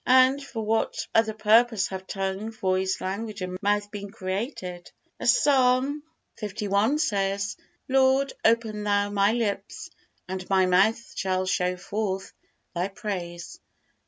And for what other purpose have tongue, voice, language and mouth been created? As Psalm li. says: "Lord, open Thou my lips, and my mouth shall show forth Thy praise."